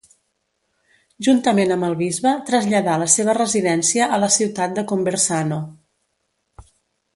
Juntament amb el bisbe traslladà la seva residència a la ciutat de Conversano.